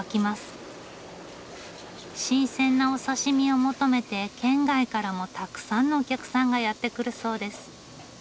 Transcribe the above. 新鮮なお刺身を求めて県外からもたくさんのお客さんがやって来るそうです。